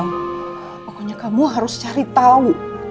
pokoknya kamu harus cari tahu